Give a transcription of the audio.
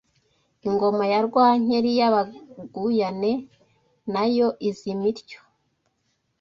Ingoma ya Rwankeli y’Abaguyane nayo izima ityo